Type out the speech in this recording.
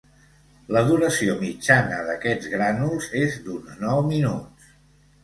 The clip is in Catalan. La duració mitjana d'aquests grànuls és d'uns nou minuts.